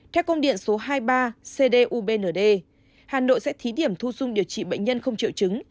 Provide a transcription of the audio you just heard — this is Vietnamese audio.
theo công điện số hai mươi ba cdubnd hà nội sẽ thí điểm thu dung điều trị bệnh nhân không triệu chứng